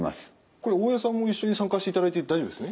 これ大江さんも一緒に参加していただいて大丈夫ですね？